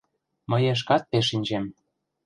Мые шкат пеш шинчем;